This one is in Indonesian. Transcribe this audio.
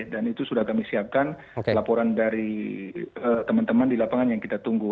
dan itu sudah kami siapkan laporan dari teman teman di lapangan yang kita tunggu